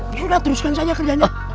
ya udah teruskan saja kerjanya